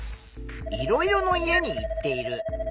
「いろいろの家にいっている」。